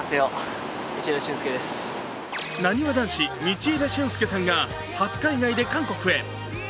なにわ男子・道枝駿佑さんが初海外で韓国へ。